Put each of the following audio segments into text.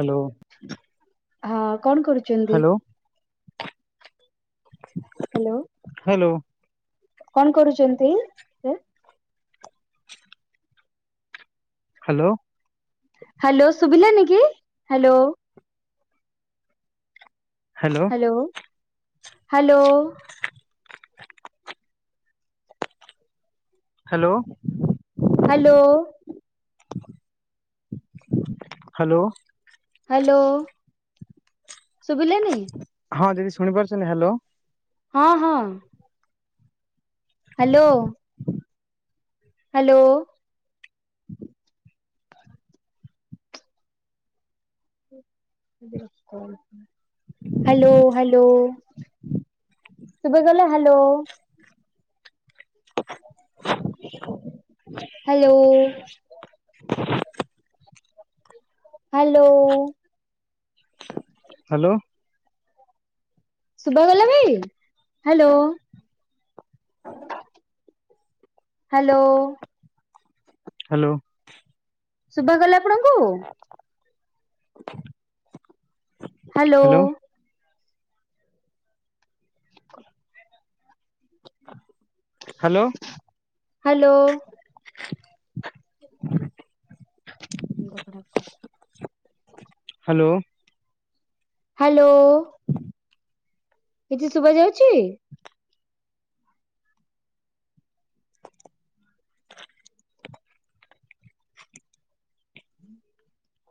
Hello. ହଁ କଣ କରୁ ହାଲୋ। ହାଲୋ। ହାଲୋ। କଣ କରୁଚନ୍ତି? ହାଲୋ। ହାଲୋ ଶୁଭିଲାନି କି? ହାଲୋ। ହାଲୋ। ଲୋ hello. Hello. Hello. Hello. Hello. ଶୁଭିଲାନି? ହଁ ଦିଦି ଶୁଣିପାରୁଛନ୍ତି? ହାଲୋ। ହଁ ହଁ। ହାଲୋ। ହାଲୋ। Hello hello. ଶୁଭାଗଲା ହାଲୋ। ହାଲୋ। [inaudible] ହାଲୋ। ହାଲୋ। ଶୁଭାଗଲା ଭାଇ। ହାଲୋ। ହାଲୋ। ହାଲୋ। ଶୁଭାଗଲା ଆପଣଙ୍କୁ? [inaudible] Hello. Hello [inaudible] hello. Hello. [unintelligible] Hello. Hello. [inaudible] କିଛି ଶୁବା ଯାଉଚି? [inaudible]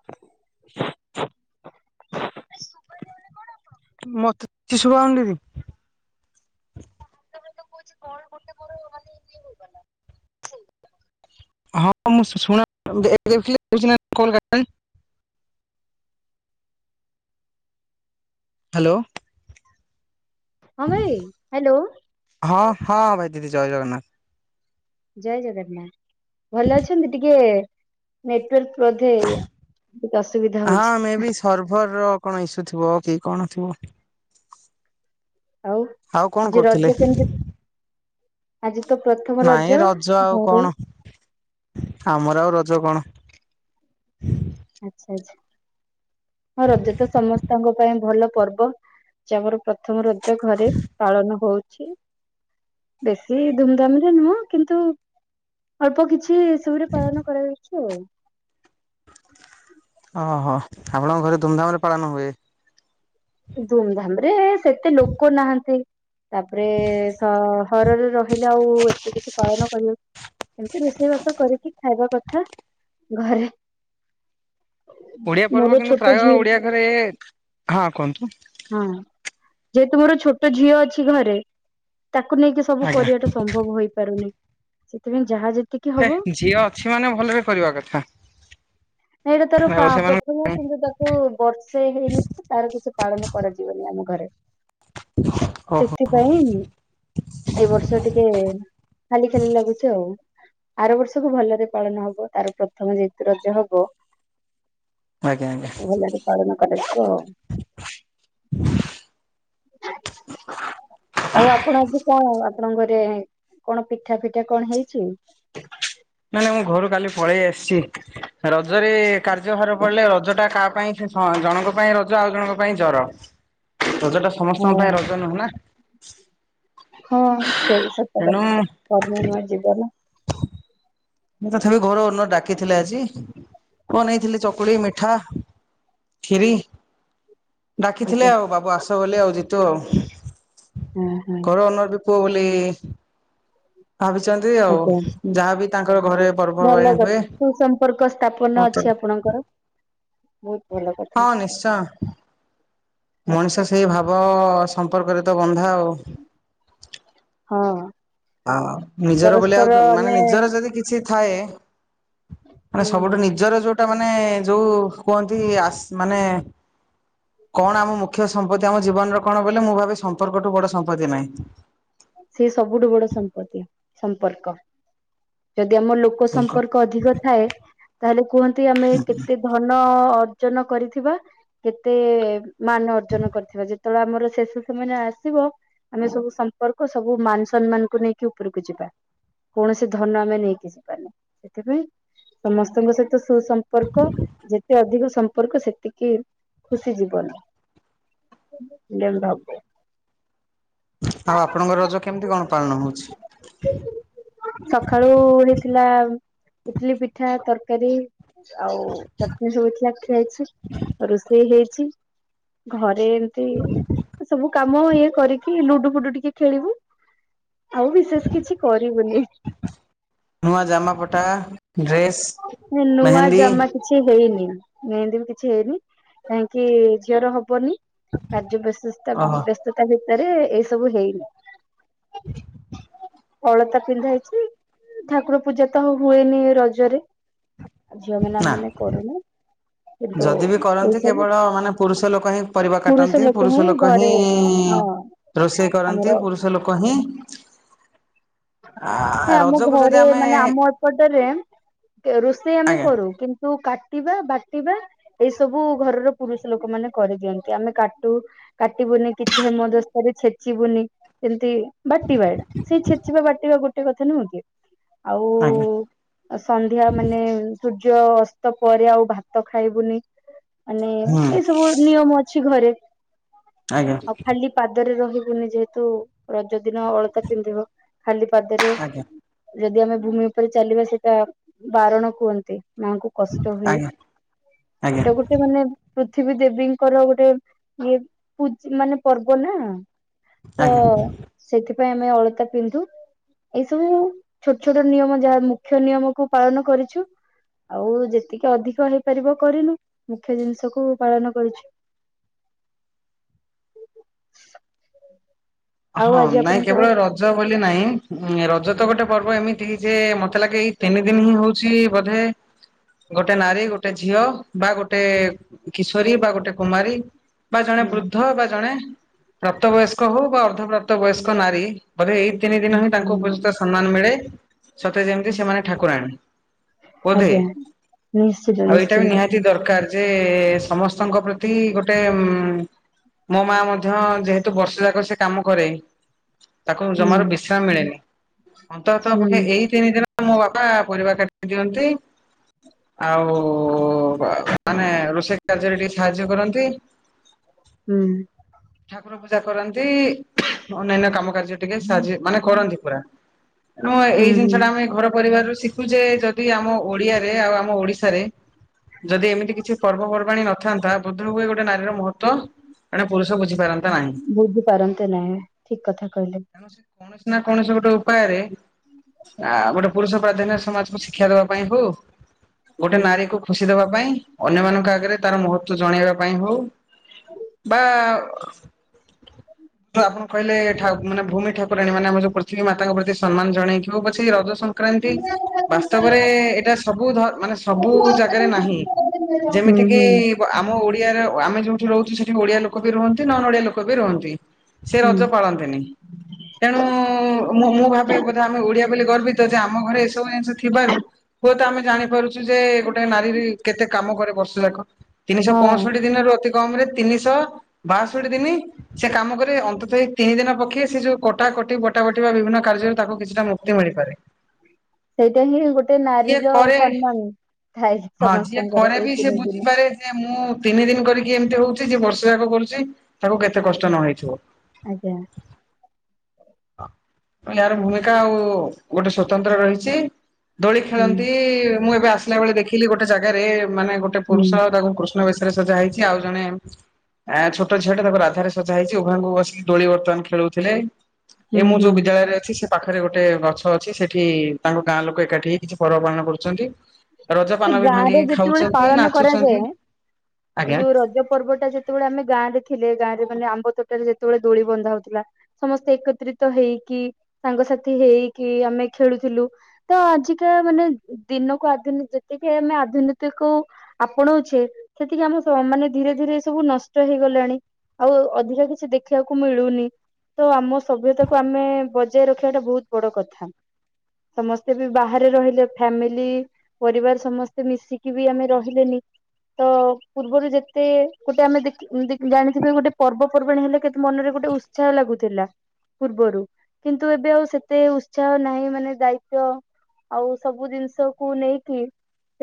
ମତେ କିଛି ଶୁବା ଯାଉନି ଦିଦି। କଣ ଗୋଟେ ପରେ ମାନେ ଇଏ ହେଇଗଲା। [unintelligible] ହାଲୋ। ହଁ ଭାଇ। ହାଲୋ। ହଁ ହଁ ଭାଇ, ଦିଦି ଜୟ ଜଗନ୍ନାଥ। ଜୟ ଜଗନ୍ନାଥ। ଭଲ ଅଛନ୍ତି ଟିକେ ନେଟୱାର୍କ ବୋଧେ ଟିକେ ଅସୁବିଧା ହଉଚି। ସର୍ଭରର କଣ ଇସ୍ୟୁ ଥିବ କି କଣ ଥିବ। ଆଉ କଣ ଆଜି କରୁଥିଲେ ରଜ କେମିତି ଆଜି ତ ପ୍ରଥ ନାଇଁ ରଜ ଆଉ କଣ, ଆମର ଆଉ ରଜ କଣ। ଆଚ୍ଛା ଆଚ୍ଛା। ହଁ ରଜ ତ ସମସ୍ତଙ୍କ ପାଇଁ ଭଲ ପର୍ବ। ଯେ ଆମର ପ୍ରଥମ ର ନିଜ ଘରେ ପାଳନ ହଉଚି। ବେଶୀ ଧୁମଧାମ୍ ରେ ନୁହଁ କିନ୍ତୁ ଅଳ୍ପ କିଛି ଏସବୁରେ ପାଳନ କରାଯାଉଚି ଆଉ। ଅ ହ। ଆପଣଙ୍କ ଘରେ ଧୁମଧାମ୍ ରେ ପାଳନ ହୁଏ? ଧୁମଧାମ୍ ରେ ସେତେ ଲୋକ ନାହାନ୍ତି। ତାପରେ ସହରରେ ରହିଲେ ଆଉ ଏତେ କିଛି ପାଳନ କରି ଏମତି ରୋଷେଇବାସ କରିକି ଖାଇବା କଥା ଘରେ। ଓଡିଆ ପର୍ବ ମୋର କିନ୍ତୁ ଛୋଟ ପ୍ରାୟ ଝିଅ [unintelligible] ହଁ କୁହନ୍ତୁ। ହଁ ଯେହେତୁ ମୋର ଛୋଟ ଝିଅ ଅଛି ଘରେ ତାକୁ ନେଇକି ସବୁ ଆଜ୍ଞା କରିବାଟା ସମ୍ଭବ ହେଇପାରୁନି ସେଥିପାଇଁ ଯାହା ଯେତି ହେ ଝିଅ ଅଛି ମାନେ ଭଲରେ କରିବା କଥା ଏଇଟା ତାର ଆଉ ସେମାନ [unintelligible] କିନ୍ତୁ ତାକୁ ବର୍ଷେ ହେଇନଥିବ ତାର କିଛି ପାଳନ କରାଯିବନି ଆମ ଘରେ। ଓହୋ ସେଥିପାଇଁ ଏଇ ବର୍ଷ ଟିକେ ଖାଲି ଖାଲି ଲାଗୁଚି ଆଉ। ଆର ବର୍ଷକୁ ଭଲରେ ପାଳନ ହବ ତାର ପ୍ରଥମ ଯେହେତୁ ରଜ ହବ। ଆଜ୍ଞା ଆଜ୍ଞା। ତାକୁ ଭଲରେ ପାଳନ କରାଯିବ ଆଉ। ହ [unintelligible] ଆଉ ଆପଣ ଆଜି କଣ ଆପଣଙ୍କ ଘରେ କଣ ପିଠା ଫିଠା କଣ ହେଇଛି? ନାଇଁ ନାଇଁ ମୁଁ ଘରୁ କାଲି ପଳେଇ ଆସିଚି ରଜରେ କାର୍ଯ୍ୟ ଭାର ପଡିଲେ ରଜ ଟା କାହା ପାଇଁ। ଜଣଙ୍କ ପାଇଁ ରଜ ଆଉ ଜଣଙ୍କ ପାଇଁ ଜର ରଜ ଟା ହଁ ସମସ୍ତଙ୍କ ପାଇଁ ରଜ ନୁହଁ ନା। ହଁ ସେ ବି ସତ କଥା ତେଣୁ କରମ ମୟ ଜୀବନ। ମୁଁ ତଥାପି ଘର ଓନର ଡାକିଥିଲେ ଆଜି କଣ ନେଇଥିଲି ଚକୁଳି, ମିଠା। ଖିରି। ଆଜ୍ଞା ଡାକିଥିଲେ ହଁ ଆଉ ବାବୁ ଆସ ବୋଲି ଆଉ ଯିତୁ ହଁ ଘର ଓନ ପୁଅ ବୁଲି। ଭାବିଚନ୍ତି ଆଉ ଆଜ୍ଞା ଯାହାବି ତାଙ୍କର ଘରେ ପର୍ବ ପର୍ବାଣୀ ହୁଏ। ସମ୍ପର୍କ। ସ୍ଥାପନ ଅଛି ଆପଣଙ୍କର। ବହୁତ ଭଲ କ ହଁ ନିଶ୍ଚୟ। ଆଚ୍ଛା ମଣିଷ ଆଚ୍ଛା ସେଇ ଭାବ ସମ୍ପର୍କରେ ତ ବନ୍ଧା ଆଉ। ହଁ। ଆ ନିଜର ବୋଲି ପରସ୍ପର ଆଉ ମାନେ ଆମେ ନିଜର ଯଦି କିଛି ଥାଏ। ମାନେ ହୁଁ ସବୁଠୁ ନିଜର ଯୋଉଟା ମାନେ ଯୋଉ କୁହନ୍ତି ଆସ୍ ମାନେ। କଣ ଆମ ମୁଖ୍ୟ ସମ୍ପତ୍ତି ଆମ ଜୀବନର କଣ ବୋଇଲେ ମୁଁ ଭାବେ ସମ୍ପର୍କଠୁ ବଡ ସମ୍ପତ୍ତି ନାହିଁ। ସେ ସବୁଠୁ ବଡ ସମ୍ପତ୍ତି ସମ୍ପର୍କ ଯଦି ଆମ ଲୋ ଲୋକ ସମ୍ପର୍କ ଅଧିକ ଥାଏ ତାହେଲେ କୁହନ୍ତି ଆମେ କେତେ ଧନ ଅର୍ଜନ କରିଥିବା। କେତେ ମାନ ଅର୍ଜନ କରିଥିବା ଯେତେବେଳେ ଆମର ଶେଷ ସେମୟ ରେ ଆସିବ। ଆମେ ସବୁ ସମ୍ପର୍କ ସବୁ ମାନ ସମ୍ମାନକୁ ନେଇକି ଉପରକୁ ଯିବା। କୌଣସି ଧନ ଆମେ ନେଇକି ଜୀବାନି ସେଥିପାଇଁ। ସମସ୍ତଙ୍କ ସହିତ ସୁସମ୍ପର୍କ ଯେତେ ଅଧିକ ସମ୍ପର୍କ ସେତିକି। ଖୁସି ଯିବନି [unintelligible] ଆଉ ଆପଣଙ୍କ ରଜ କେମିତି କଣ ପାଳନ ହଉଛି? ସଖାଳୁ ଉଳିଥିଲା ଇଟିଲି, ପିଠା, ତରକାରୀ। ଆଉ ଚଟଣିୀ ସବୁ ଥିଲା ଖିଆଇଛି ରୋଷେଇ ହେଇଛି। ଘରେ ଏମତି ସବୁ କାମ ଇଏ କରିକି ଲୁଡୁ ଫୁଡୁ ଟିକେ ଖେଳିବୁ ଆଉ ବିଶେଷ କିଛି କରିବୁନି। ନୂଆ ଜାମା ପଟା ଡ୍ରେସ୍। ହେ ନୂଆ ଜାମା କି କିଛି ହେଇନି ଏନ୍ତି ବି କିଛି ହେଇନି କାହିଁକି ଝିଅର ହବନି। କାର୍ଯ୍ୟ ବ୍ୟସସ୍ତା ଓହୋ ବ୍ୟସ୍ତତା ଭିତରେ ଏଇ ସବୁ ହେଇନି। ଅଳତା ପିନ୍ଧା ହେଇଚି। ଠାକୁର ପୂଜା ତ ହୁଏନି ରଜରେ। ଝିଅ ମାନେ ଆମେ ନା। ମାନେ କରୁନୁ। କିନ୍ତୁ ଯଦି ବି ଏଇ କରନ୍ତି ସବୁ କେବଳ ମାନେ ପୁରୁଷ ଲୋକ ହିଁ ପରିବା କାଟନ୍ତି ପୁରୁଷ ଲୋ ଲୋକ ହିଁ ହଁ ରୋଷେଇ କରନ୍ତି ଆମର ପୁରୁଷ ଲୋକ ହିଁ ହେ ଆ ଆମ ରଜକୁ ଯଦି ଘରେ ଆମେ ମାନେ ଆମ ଏପଟରେ ରୋଷେଇ ଆମେ ଆଜ୍ଞା କରୁ କି ନ୍ତୁ କାଟିବା ବାଟିବା ଏଇ ସବୁ ଘରର ପୁରୁଷ ଲୋକ ମାନେ କରିଦିଅନ୍ତି। ଆମେ କାଟୁ କାଟିବୁନି କିଛି ହେମ ଦସ୍ତା ରେ ଛେଚିବୁନି ସେମିତି ବାଟିବା ଟା ସେଇ ଛେ ଏରା ଗୋଟେ କଥା ନୁହଁ କି ଆଉ ଆଜ୍ଞା। ସନ୍ଧ୍ୟା ମାନେ ସୂର୍ଯ୍ୟ ଅସ୍ତ ପରେ ଆଉ ଭାତ ଖାଇବୁନି। ମାନେ ହୁଁ ଏଇ ସବୁ ନିୟମ ଅଛି ଘରେ। ଆଜ୍ଞା ଆଉ ଖାଲି ପାଦରେ ରହିବୁନି ଯେହେତୁ ରଜ ଦିନ ଅଳତା ପିନ୍ଧିବ। ଖାଲି ପାଦରେ ଆଜ୍ଞା ଯଦି ଆମେ ଭୂମି ଉପରେ ଚାଲିବା ସେଇଟା ବାରଣ କୁହନ୍ତି। ମା କୁ କଷ୍ଟ ହୁଏ ଆଜ୍ଞା ଆଜ୍ଞା ଏଇଟା ଗୋ ଟେ ମାନେ ପୃଥିବୀ ଦେବୀଙ୍କର ଗୋଟେ ଇଏ ପୂ ମାନେ ପର୍ବ ନା। ତ ଆଜ୍ଞା। ସେଥିପାଇଁ ଆମେ ଅଳତା ପିନ୍ଧୁ ଏଇ ସବୁ ଛୋଟ ଛୋଟ ନିୟମ ଯାହା ମୁଖ୍ୟ ନିୟମକୁ ପାଳନ କରିଛୁ। ଆଉ ଯେତିକି ଅଧିକ ହେଇପାରିବ କରିନୁ ମୁଖ୍ୟ ଜିନିଷକୁୁ ପାଳନ କରିଛୁ। ଆଉ ହଁ ଆଜି ନାଇଁ ଆପଣଙ୍କର କେବଳ ର ଯ ବୋଲି ନାହିଁ ରଜ ତ ଗୋଟେ ପର୍ବ ଏମିତି ଯେ ମତେ ଲାଗେ ଏଇ ତିନି ଦିନ ହିଁ ହଉ ଚି ବୋଧେ ଗୋଟେ ନାରୀ ଗୋଟେ ଝିଅ ବା ଗୋଟେ କିଶୋରୀ ବା ଗୋଟେ କୁମାରୀ। ବା ଜଣେ ହୁଁ ବୃଦ୍ଧ ବା ଜଣେ ପ୍ରାପ୍ତ ବୟସ୍କ ହଉ ବା ଅର୍ଦ୍ପ୍ରାପ୍ତ ବୟସ୍କ ନାରୀ ବୋଧେ ଏଇ ତିନି ଦିନ ହିଁ ତାଙ୍କୁ ହୁଁ ଉପଯୁକ୍ତ ସମ୍ମାନ ମିଳେ ସତେ ଯେମିତି ସେମାନେ ଠାକୁରାଣୀ। ବୋଧେ ଆଜ୍ଞା ନିଶ୍ଚିତ ଆଉ ଏଇଟା ବି ନିଶ୍ଚିନ୍ତ ନିହାତି ଦରକାର। ଯେ ସମସ୍ତଙ୍କ ପ୍ରତି ଗୋଟେ ମୋ ମା ମଧ୍ୟ ଯେହେତୁ ବର୍ଷ ଯାକ ସେ କାମ କରେନି ତାକୁ ହୁଁ ଜମାରୁ ବିଶ୍ରାମ ମିଳେନି ଅନ୍ତତ ହୁଁ ପକ୍ଷେ ଏଇ ତିନି ଦିନ ମୋ ବାପା ପରିବା କାଟି ଦିଅନ୍ତି। ଆଉ ମାନେ ରୋଷେଇ କାର୍ଯ୍ୟରେ ଟିକେ ସାହାଯ୍ୟ କରନ୍ତି ହୁଁ ଠାକୁର ପୂଜା କରନ୍ତି। ନ୍ତି ଅନ୍ୟାନ୍ୟ କାମ କାର୍ଯ୍ୟ ଟିକେ ସାଜି ମାନେ କରନ୍ତି ପୁରା ତେଣୁ ହୁଁ ଏଇ ହୁଁ ଜିନିଷ ଟା ଆମେ ଘର ପରିବାରରୁ ସି ତୁ ଯେ ଯଦି ଆମ ଓଡିଆରେ ଆଉ ଆମ ଓଡିଶାରେ ଯଦି ଏମିତି କିଛି ପର୍ବପର୍ବାଣୀ ନଥାନ୍ତା ବୋଦ୍ଧ ହୁଏ ଗୋଟେ ନାରୀର ମହତ୍ୱ ଏଣେ ପୁରୁଷ ବୁଝିପାରନ୍ତା ନାହିଁ। ବୁଝି ପାରନ୍ତେ ନାହିଁ ଠିକ କଥା କହିଲେ। ତେଣୁ ସେ କୌଣସି ନା କୌଣସି ଗୋଟେ ଉପାୟରେ। ଆ ଗୋଟେ ପୁରୁଷ ପ୍ରାଧାନ୍ୟ ସମାଜକୁ ଶିକ୍ଷା ଦେବା ପାଇଁ ହଉ ଗୋଟେ ହୁଁ। ନାରୀକୁ ଖୁସି ଦେବା ପାଇଁ ଅନ୍ୟମାନଙ୍କ ଆଗରେ ତାର ମହତ୍ଵ ଜଣେଇବା ପାଇଁ ହଉ ବା ତ ଆପଣ କହିଲେ ଠା ମାନେ ଭୂମି ଠାକୁରାଣି ମାନେ ଯଉ ପୃଥିବୀ ମାତା ପ୍ରତି ସମ୍ମାନ ଜଣେଇ କି ହଉ ପଛେ ରଜ ସଂକ୍ରାନ୍ତି। ବାସ୍ତବରେ ଏଇଟା ସବୁ ଧ ମାନେ ହୁଁ ସବୁ ଜାଗାରେ ନାହିଁ। ହୁଁ ଯେମିତି କିି ହୁଁ। ଆମ ଓଡିଆରେ ଆମେ ଯୋଉଠି ରହୁଛୁ ସେଠି ଓଡିଆ ଲୋକ ବି ରୁହନ୍ତି ନନ୍ ଓଡିଆ ଲୋକ ବି ରୁହନ୍ତି। ସେ ରଜ ପାଳନ୍ତି ନି। ତେଣୁ ମୁଁ ଭାବେ ବୋଧେ ଆମେ ଓଡିଆ ବୋଲି ଗର୍ବିତ ଯେ ଆମ ଘରେ ଏସବୁ ଜିନିଷ ଥିବାରୁ ହୁଏତ ଆମେ ଜାଣିପାରୁୁ। ଚୁ ଯେ ଗୋଟେ ନାରୀ କେତେ କାମ କରେ ବର୍ଷ ଯାକ ତିନିଶହ ହଁ ପଞ୍ଚଷଠି ଦିନରେ ଅତି କମରେ ତିନିଶହ ବାଷଠି ଦିନି ସେ କାମ କର ଅନ୍ତତଃଇ ତିନି ଦିନ ପକ୍ଷେ ସେ ଯୋଉ କଟା କଟି ବଟା ବଟି ବା ବିଭିନ୍ନ କାର୍ଯ୍ୟରେ ତାକୁ କିଛିଟା ମୁକ୍ତି ମିଳିପାରେ। ସେଇଟା ହିଁ ଗୋଟେ ଯିଏ ନାରୀର କରେ ସମ୍ମାନ ଥାଏ ହଁ ଯିଏ ସମସ୍ତଙ୍କର କରେ ଏଇ ବି ସେ ତିନି ଦିନ ବୁଝିପାରେ। ମୁଁ ତିନି ଦିନ କରିକି ଏମତି ହଉଛି ଯେ ବର୍ଷ ଯାକ କରୁଛି ତାକୁ କେତେ କଷ୍ଟ ନ ହେଇଥିବ। ଆଜ୍ଞା। ମୁଁ ନି ଆର ଭୂମିକା ଆଉ ଗୋଟେ ସ୍ଵତନ୍ତ୍ର ରହିଛି। ଦୋଳି ହୁଁ ଖେଳନ୍ତି, ମୁଁ ଏବେ ଆସିଲା ବେଳେ ଦେଖିଲି ଗୋଟେ ଜାଗାରେ ମାନେ ଗୋଟେ ହୁଁ ପୁରୁଷ ଆଉ ତାକୁ କୃଷ୍ ଷ୍ଣ ବେଶ ରେ ସଜା ହେଇଛି ଆଉ ଜଣେ ଆ ଛୋଟ ଝିଅ ଟେ ତାକୁ ରାଧାରେ ସଜା ହେଇଛି, ଉଭାଙ୍କୁ ବସିକି ଦୋଳି ବର୍ତ୍ତମାନ ଖେଳୁଥିଲେ। ଏ ହୁଁ ମୁଁ ଯଉ ହୁଁ। ବିଦ୍ୟାଳୟରେ ଅଛି ସେ ପାଖରେ ଗୋଟେ ଗଛ ଅଛି ସେଠି ତାଙ୍କ ଗାଁ ଲୋକ ଏକାଠି ହେଇ କିଛି ପର୍ବ ପାଳନ କରୁଛନ୍ତି। ରଜ ସେ ପାନ ବି ଗାଁ ରେ ଭାଙ୍ଗିକି ଯେତେବେଳେ ଖାଉଛନ୍ତି ପାଳନ ନାଚୁଛନ୍ତି କରାଯାଏ, ଏ ଆଜ୍ଞା। ଯୋଉ ରଜ ପର୍ବଟା ଯେ ଯେତେବେଳେ ଆମେ ଗାଁରେ ଥିଲେ ଗାଁରେ ମାନେ ଆମ୍ବ ତୋଟାରେ ଯେତବେଳେ ଦୋଳି ବନ୍ଧା ହଉଥିଲା। ସମସ୍ତେ ଏକତ୍ରିତ ହେଇକି ସାଙ୍ଗସାଥି ହେଇକି ଆମେ ଖେଳୁଥିଲୁ। ତ ଆଜିକା ମାନେ ଦିନକୁ ଆଧୁନ ଯେତିକି ଆମେ ଆଧୁନତିକୁ ଆପଣଉଛେ ସେତିକି ଆମ ମାନେ ଧୀରେ ଧୀରେ ସବୁ ନଷ୍ଟ ହେଇଗଲାଣି। ଆଉ ଅଧିକ କିଛି ଦେଖିବାକୁ ମିଳୁନି। ତ ଆମ ସଭ୍ୟତାକୁ ଆମେ ବଜାୟ ରଖିବାଟା ବହୁତ ବଡ କଥା। ସମସ୍ତେ ବି ବାହାରେ ରହିଲେ ଫ୍ୟାମିଲି ପରିବାର ସମସ୍ତେ ମିଶିକି ବି ଆମେ ରହିଲେନି। ତ ପୂର୍ବରୁ ଯେତେ ଗୋଟେ ଆମେ ଦେ ଜାଣିଥିବେ ଗୋଟେ ପର୍ବ ପର୍ବାଣୀ ହେଲେ କେତେ ମନରେ ଗୋଟେ ଉ ତ୍ସାହ ଲାଗୁଥିଲା। ପୂର୍ବରୁ କିନ୍ତୁ ଏବେ ଆଉ ସେତେ ଉତ୍ସାହ ନାହିଁ ମାନେ ଦାୟିତ୍ଵ ଆଉ ସବୁ ଜିନିଷକୁ ନେଇକି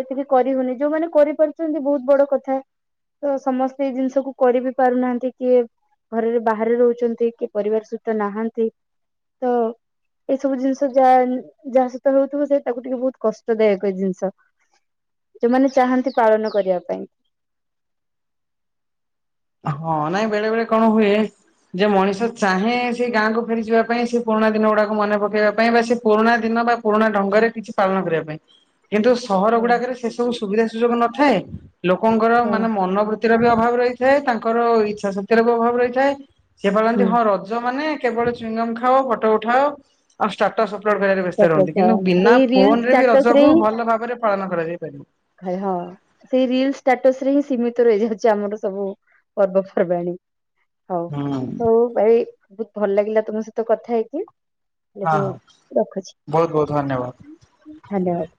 ସେତିକି କରି ହଉନି, ଯୋଉମାନେ କରିପାରୁଛନ୍ତି ବହୁତ ବଡ କଥା। ତ ସମସ୍ତେ ଏଇ ଜିନିଷକୁ କରି ବିି ପାରୁନାହାନ୍ତି, କିଏ ଘରେରେ ବାହାରେ ରହୁଛନ୍ତି କିଏ ପରିବାର ସହିତ ନାହାନ୍ତି, ତ ଏଇସବୁ ଜିନିଷ ଯାହା ଯାହା ସହିତ ହଉଥିବ ସେଇ ତାକୁ ଟିକେ ବହୁତ କଷ୍ଟଦାୟକ ଏଇ ଜିନିଷ। ଯୋଉମାନେ ଚାହାନ୍ତି ପାଳନ କରିବା ପାଇଁ। ହଁ, ନାଇଁ ବେଳେ ବେଳେ କଣ ହୁଏ। ଯେ ମଣିଷ ଚାହେଁ ସେ ଗାଁକୁ ଫେରି ଯିବା ପାଇଁ ସେ ପୁରୁଣା ଦିନ ଗୁଡାକୁ ମନେ ପକେଇବା ପାଇଁ ବା ସେ ପୁରୁଣା ଦିନ ବା ପୁରୁଣା ଢଙ୍ଗ ରେ କିଛି ପାଳନ କରିବା ପାଇଁ କିନ୍ତୁ ସହର ଗୁଡାକରେ ସେ ସବୁ ସୁବିଧା ସୁଯୋଗ ନଥାଏ, ଲୋକଙ୍କର ମାନେ ହଁ। ମନୋବୃତ୍ତିର ବି ଅଭାବ ରହି ଥାଏ, ତାଙ୍କର ଇଚ୍ଛା ଶକ୍ତିର ଅଭାବ ରହିଥାଏ ସେ ପାଳନ୍ତି ହଁ ର ମାନେ କେବଳ ଚୁଇଙ୍ଗମ ଖାଅ, ଫଟୋ ଉଠାଅ। ଆଉ ଷ୍ଟାଟସ୍ ଅପଲୋଡ କରାରେ ବ୍ୟସ୍ତ ରୁହନ୍ତି, ଷ୍ଟାଟସ କିନ୍ତୁ ବିନା ସେଇ ରିଲ ଫୋନ ରେ ବି ଷ୍ଟାଟସ ରଜକୁ ଭଲ ହିଁ ଭାବରେ ପାଳନ କରାଯାଇପାରିବ। ହଁ ସେଇ ରିଲ ଷ୍ଟାଟସ ରେ ହିଁ ସୀମିତ ରହିଯାଉଛି ଆମର ସବୁ ପର୍ବପର୍ବାଣୀ। ହଉ ହୁଁ ହଉ ଭାଇ ବହୁତ ଭଲ ଲାଗିଲା ତୁମ ସହିତ କଥା ହେଇକି। ହେଲେ ହଁ ମୁଁ ରଖୁଛି ବହୁତ ବହୁତ ଧନ୍ୟବାଦ। ଧନ୍ୟବାଦ।